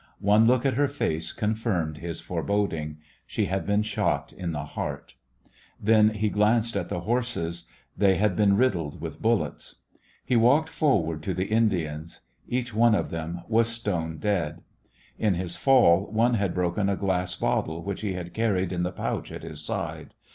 One look at her face confirmed his foreboding. She had been shot in the heart. Then A Christmas When he glanced at the horses; they had been riddled with bullets. He walked forward to the Indians. Each one of them was stone dead. In his fall one had broken a glass bottle which he had carried in the pouch at his side.